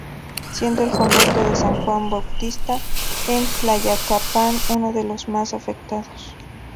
Siendo el Convento de San Juan Bautista en Tlayacapan uno de los más afectados.